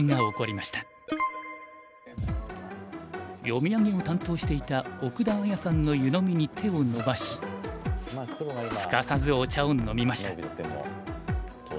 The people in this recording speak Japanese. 読み上げを担当していた奥田あやさんの湯飲みに手を伸ばしすかさずお茶を飲みました。